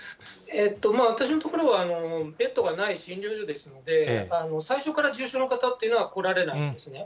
私のところはベッドがない診療所ですので、最初から重症の方っていうのは来られないんですね。